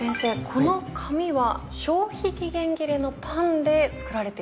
この紙は消費期限切れのパンで作られているんですよね。